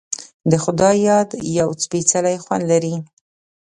د خدای یاد یو سپیڅلی خوند لري.